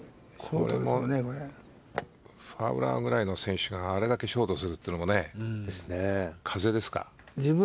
ファウラーくらいの選手があれだけショートするというのは風ですか。